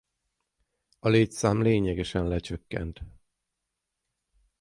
A létszám lényegesen lecsökkent.